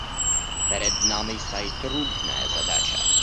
Перед нами стоит трудная задача.